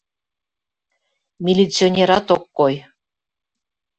Милиционерат ок кой.